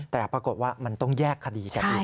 แต่ปรากฏว่ามันต้องแยกคดีกันอีก